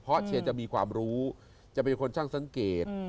เพราะเชียร์จะมีความรู้จะเป็นคนช่างสังเกต